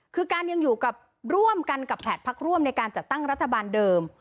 คือการยังอยู่กับร่วมกันกับ๘พักร่วมในการจัดตั้งรัฐบาลเดิม